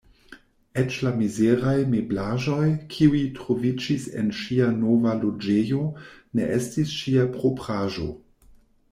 Eĉ la mizeraj meblaĵoj, kiuj troviĝis en ŝia nova loĝejo, ne estis ŝia propraĵo.